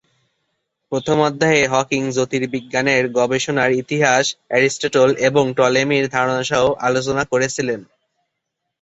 প্রথম অধ্যায়ে হকিং জ্যোতির্বিজ্ঞানের গবেষণার ইতিহাস, এরিস্টটল এবং টলেমির ধারণা সহ আলোচনা করেছিলেন।